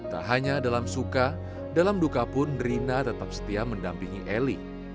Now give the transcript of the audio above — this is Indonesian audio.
tak hanya dalam suka dalam duka pun rina tetap setia mendampingi eli